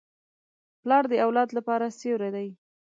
پلار د اولاد لپاره سیوری دی.